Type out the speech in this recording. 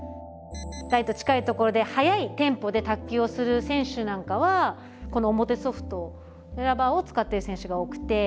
台と近い所で速いテンポで卓球をする選手なんかはこの表ソフトラバーを使っている選手が多くて。